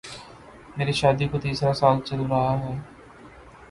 میری شادی کو تیسرا سال چل رہا ہے